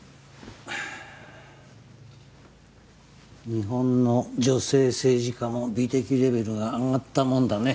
日本の女性政治家も美的レベルが上がったもんだね。